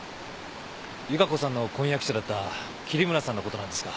由加子さんの婚約者だった桐村さんのことなんですが。